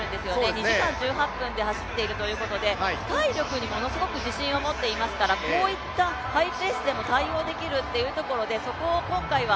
２時間１８分で走っているということで、体力にものすごく自信を持っていますから、こういったハイペースでも対応できるということで、そこを今回は